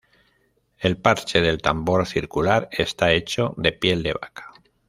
El parche del tambor circular está hecho de piel de vaca.